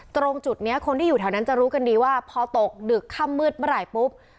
ตรงจุดนี้คนที่อยู่แถวนั้นจะรู้กันดีว่าพอตกดึกค่ำมืดเมื่อไหร่ปุ๊บ